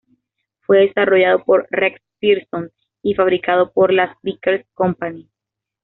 Fue desarrollado por Rex Pierson y fabricado por la Vickers Company.